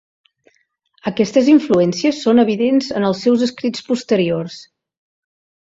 Aquestes influències són evidents en els seus escrits posteriors.